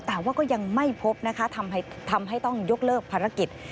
แต่ว่าก็ยังไม่พบนะคะทำให้ต้องยกเลิกภารกิจ